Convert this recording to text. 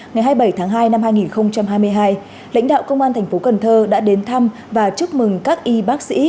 ngày hai mươi bảy tháng hai năm hai nghìn hai mươi hai lãnh đạo công an thành phố cần thơ đã đến thăm và chúc mừng các y bác sĩ